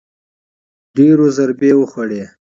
ډېرو ضربې وخوړې